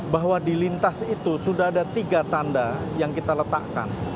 bahwa di lintas itu sudah ada tiga tanda yang kita letakkan